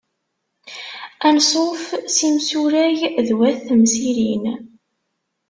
Ansuf s yimsurag d wat temsirin.